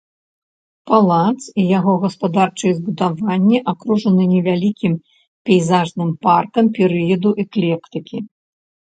Палац і яго гаспадарчыя збудаванні акружаны невялікім пейзажным паркам перыяду эклектыкі.